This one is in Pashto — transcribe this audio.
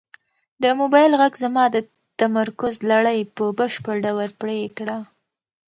د موبایل غږ زما د تمرکز لړۍ په بشپړ ډول پرې کړه.